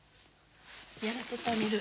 やらせてあげる。